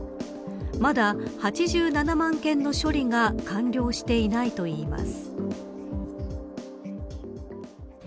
まだ８７万件の処理が完了していないといいます。